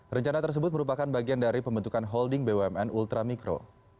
rencana tersebut merupakan bagian dari pembentukan holding bumn ultramikro